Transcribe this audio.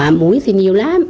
mũi thì nhiều lắm